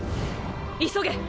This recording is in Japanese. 急げ！